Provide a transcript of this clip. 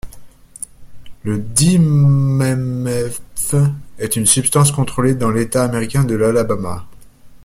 Le dimemebfe est une substance contrôlée dans l'État américain de l'Alabama.